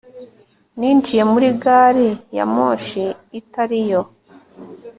ninjiye muri gari ya moshi itari yo